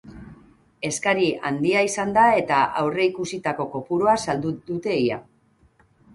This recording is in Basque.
Eskari handia izan da eta aurreikusitako kopurua saldu dute ia.